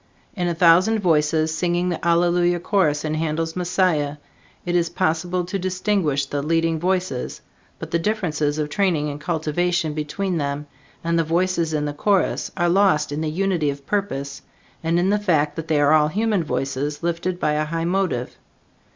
In a thousand voices singing the Hallelujah Chorus in Handel's "Messiah," it is possible to distinguish the leading voices, but the differences of training and cultivation between them and the voices in the chorus, are lost in the unity of purpose and in the fact that they are all human voices lifted by a high motive.